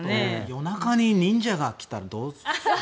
夜中に忍者が来たらどうする。